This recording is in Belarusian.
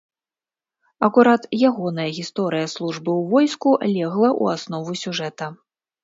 Акурат ягоная гісторыя службы ў войску легла ў аснову сюжэта.